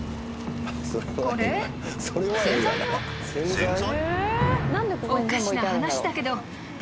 洗剤？